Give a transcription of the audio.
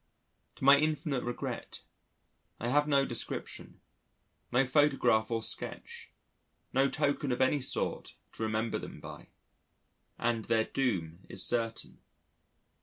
To my infinite regret, I have no description, no photograph or sketch, no token of any sort to remember them by. And their doom is certain.